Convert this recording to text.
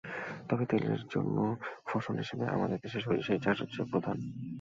তবে তেলের জন্য ফসল হিসেবে আমাদের দেশে সরিষার চাষই হচ্ছে প্রধান।